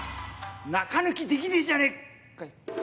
中抜きできねえじゃねえ。